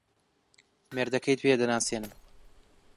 مێردەکەیت پێ دەناسێنم.